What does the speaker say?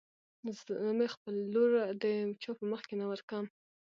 زه مې خپله لور د چا په مخکې نه ورکم.